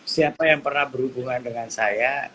siapa yang pernah berhubungan dengan saya